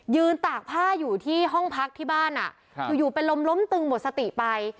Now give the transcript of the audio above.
ตากผ้าอยู่ที่ห้องพักที่บ้านอยู่เป็นลมล้มตึงหมดสติไป